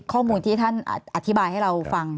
ข้อมูลที่ท่านอธิบายให้เราฟัง